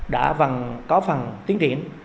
đã có phần tiến triển